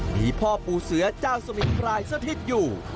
มีพ่อปู่เสือเจ้าสมิงพรายสถิตอยู่